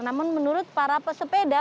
namun menurut para pesepeda